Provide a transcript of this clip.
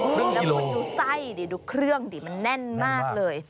แล้วคุณดูไส้ดิดูเครื่องดิมันแน่นมากเลย